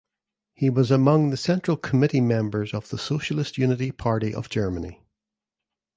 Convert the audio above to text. He was among the central committee members of the Socialist Unity Party of Germany.